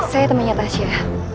saya temannya tasya